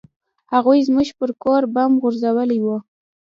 هغوى زموږ پر کور بم غورځولى و.